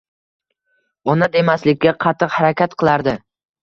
Ona demaslikka qattiq harakat qilardi.